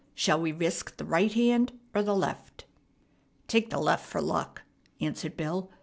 Shall we risk the right hand 'r the left?" "Take the left hand fer luck," answered Bill.